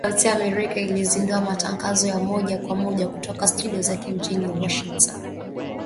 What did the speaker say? Sauti ya Amerika ilizindua matangazo ya moja kwa moja kutoka studio zake mjini Washington